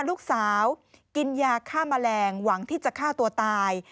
ลูกสาวกินยาฆ่าแมลงหวังที่จะฆ่าตัวตาย